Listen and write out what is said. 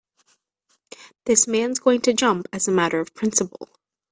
This man's going to jump as a matter of principle.